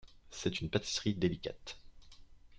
C’est une pâtisserie délicate.